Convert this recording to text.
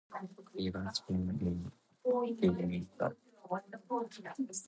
He was born in Birmingham.